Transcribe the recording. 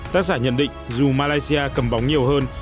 tác giả nhận định dù malaysia cầm bóng nhiều hơn